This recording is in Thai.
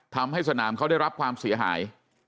ทำให้สนามเขาได้รับความเสียหาย